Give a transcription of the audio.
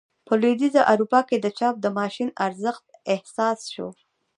په لوېدیځه اروپا کې د چاپ د ماشین ارزښت احساس شو.